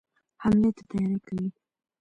حملې ته تیاری کوي.